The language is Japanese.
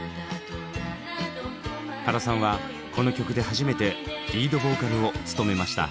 原さんはこの曲で初めてリードボーカルを務めました。